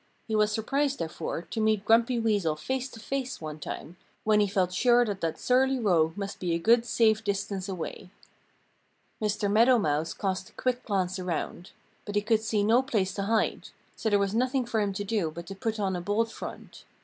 He was surprised, therefore, to meet Grumpy Weasel face to face one time, when he felt sure that that surly rogue must be a good safe distance away. Mr. Meadow Mouse cast a quick glance around. But he could see no place to hide. So there was nothing for him to do but to put on a bold front.